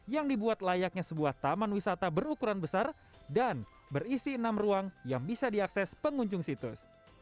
yang dibuat layaknya sebuah taman wisata berukuran besar dan berisi enam ruang yang bisa diakses pengunjung situs